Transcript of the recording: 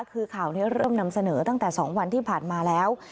คือข่าวนี้เริ่มนำเสนอตั้งแต่๒วันที่ผ่านมาแล้ว